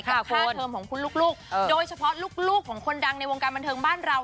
กับค่าเทอมของคุณลูกโดยเฉพาะลูกของคนดังในวงการบันเทิงบ้านเรา